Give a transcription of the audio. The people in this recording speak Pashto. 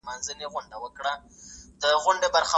یو ځوان باید د ژوند تجربه ولري.